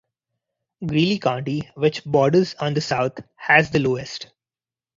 Greeley County, which borders on the south, has the lowest.